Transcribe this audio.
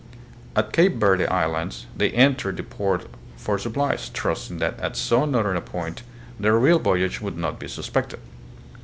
At Cape Verde Islands they entered the port for sup plies, trusting that at so northern a point their real voy age would not be suspected.